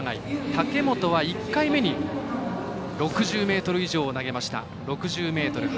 武本は１回目に６０ｍ以上を投げました。